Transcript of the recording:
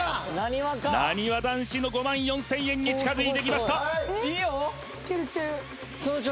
なにわ男子の５万４０００円に近づいてきました